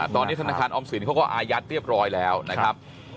ตอนนี้ธนาคารออมสินเขาก็อายัดเรียบร้อยแล้วนะครับ